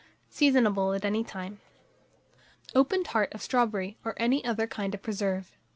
Seasonable at any time. OPEN TART OF STRAWBERRY OR ANY OTHER KIND OF PRESERVE.